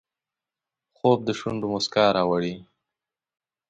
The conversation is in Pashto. خوب د شونډو مسکا راوړي